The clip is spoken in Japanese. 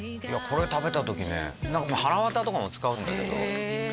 これ食べた時ねはらわたとかも使うんだけどへえ